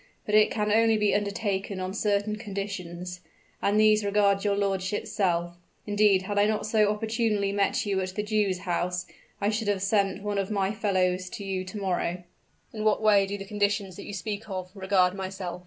But it can only be undertaken on certain conditions; and these regard your lordship's self. Indeed, had I not so opportunely met you at the Jew's house, I should have sent one of my fellows to you to morrow." "In what way do the conditions that you speak of, regard myself?"